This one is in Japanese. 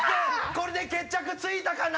これで決着ついたかな？